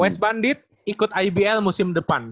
west bandit ikut ibl musim depan